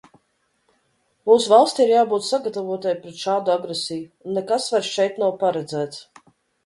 Mūsu valstij ir jābūt sagatavotai pret šādu agresiju, un nekas vairāk šeit nav paredzēts.